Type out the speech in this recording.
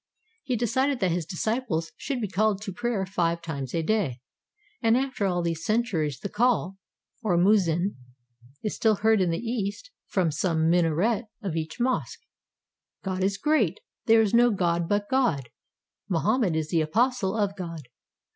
He decided that his disciples should be called to prayer five times a day, and after all these centuries the call, oi muezzin, is still heard in the East from some minaret of each mosque, — "God is great. There is no God but God. Mohammed is the apostle of God.